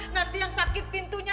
nanti yang sakit pintunya